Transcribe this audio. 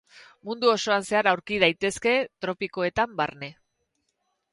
Mundu osoan zehar aurki daitezke, tropikoetan barne.